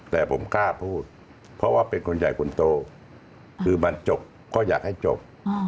แต่ผมกล้าพูดเพราะว่าเป็นคนใหญ่คนโตคือมันจบก็อยากให้จบ